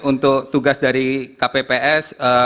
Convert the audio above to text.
untuk tugas dari kpps